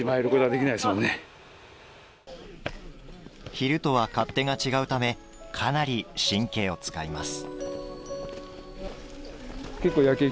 昼とは勝手が違うためかなり神経を使います。